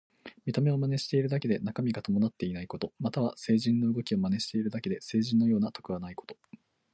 見た目を真似しているだけで中身が伴っていないこと。または、聖人の動きを真似しているだけで聖人のような徳はないこと。